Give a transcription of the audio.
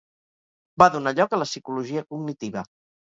Va donar lloc a la psicologia cognitiva.